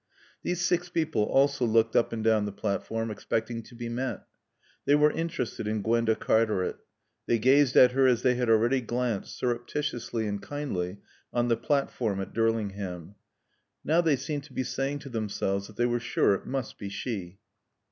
These six people also looked up and down the platform, expecting to be met. They were interested in Gwenda Cartaret. They gazed at her as they had already glanced, surreptitiously and kindly, on the platform at Durlingham. Now they seemed to be saying to themselves that they were sure it must be she.